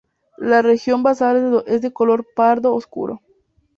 La región basal es de color pardo oscuro.